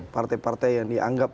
partai partai yang dianggap